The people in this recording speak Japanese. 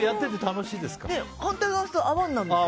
反対側にするとあれで泡になるんですよ。